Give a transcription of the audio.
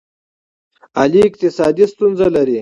علي اقتصادي ستونزې لري.